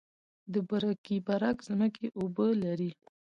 د برکي برک ځمکې اوبه لري